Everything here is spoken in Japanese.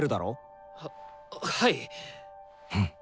はっはい！